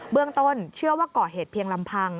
เรื่องต้นเชื่อว่าก่อเหตุเพียงลำพัง